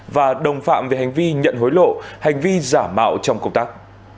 và đồng phạm về hành vi nhận hối lộ hành vi giả mạo trong công tác